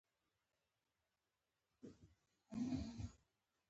زه د ستونزو پر وخت صبر کوم.